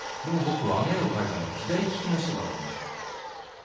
でも僕はあの絵を描いたのは左利きの人だと思う。